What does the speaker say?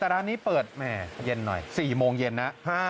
ร้านนี้เปิด๔โมงเย็นนะฮะ